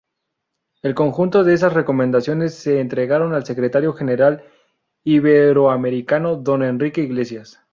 El conjunto de esas Recomendaciones se entregaron al Secretario General Iberoamericano, Don Enrique Iglesias.